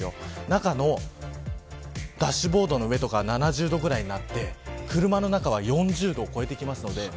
中のダッシュボードの上とか７０度ぐらいになって車の中は４０度を超えてきますので。